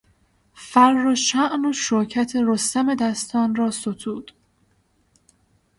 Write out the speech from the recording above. فر و شأن و شوکت رستم دستان را ستود.